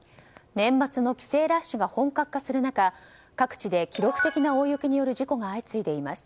年末の帰省ラッシュが本格化する中各地で記録的な大雪による事故が相次いでいます。